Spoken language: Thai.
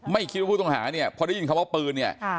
ไม่คิดว่าผู้ต้องหาเนี่ยพอได้ยินคำว่าปืนเนี่ย